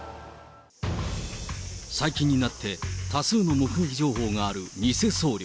最近になって、多数の目撃情報がある偽僧侶。